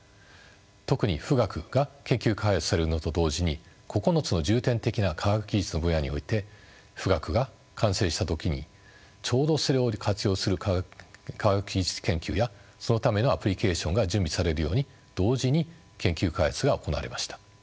特に富岳が研究開発されるのと同時に９つの重点的な科学技術の分野において富岳が完成した時にちょうどそれを活用する科学技術研究やそのためのアプリケーションが準備されるように同時に研究開発が行われました。